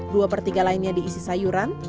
dua per tiga lainnya diisi sayuran